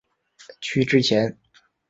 区之前。